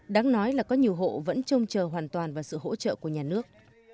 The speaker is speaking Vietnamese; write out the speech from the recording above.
đáng nói là có nhiều hộ vẫn trông chờ hoàn toàn vào sự hỗ trợ của nhà nước